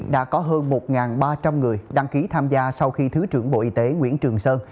đã có hơn một ba trăm linh người đăng ký tham gia sau khi thứ trưởng bộ y tế nguyễn trường sơn